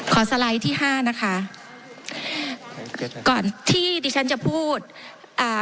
สไลด์ที่ห้านะคะก่อนที่ดิฉันจะพูดอ่า